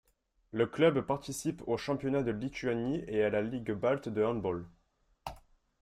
Le club participe au Championnat de Lituanie et à la Ligue Balte de Handball.